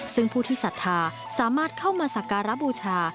ซึ่งผู้ที่ศรัทธาสามารถเข้ามาสักการะบูชา